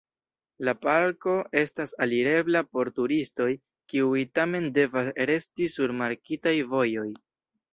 La parko estas alirebla por turistoj, kiuj tamen devas resti sur markitaj vojoj.